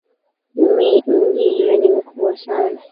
Miji hiyo ni mikubwa sana